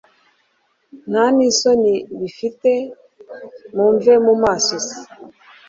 ntanisoni bifite mumve mumaso se